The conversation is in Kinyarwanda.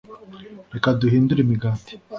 Reka duhindure imigati